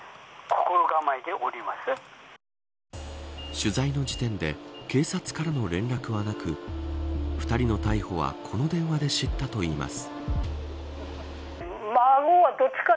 取材の時点で警察からの連絡はなく２人の逮捕はこの電話で知ったといいます。